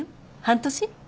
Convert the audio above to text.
半年？